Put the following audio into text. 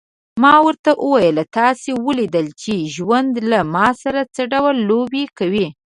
ما ورته وویل: تاسي ولیدل چې ژوند له ما سره څه ډول لوبې کوي.